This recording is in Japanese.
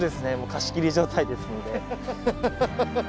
貸し切り状態ですので。